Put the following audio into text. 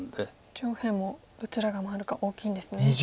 上辺もどちらが回るか大きいんですね。